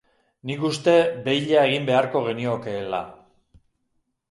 Nik uste beila egin beharko geniokeela.